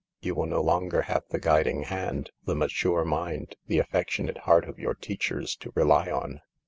You will no longer have the guiding hand, the mature mind, the affectionate heart of your teachers to rely on.